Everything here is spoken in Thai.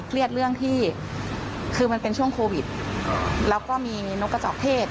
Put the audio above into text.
เรียกเรื่องที่คือมันเป็นช่วงโควิดแล้วก็มีนกกระจอกเทศ